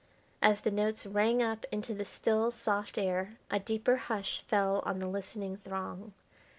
As the notes rang up into the still, soft air a deeper hush fell on the listening throng.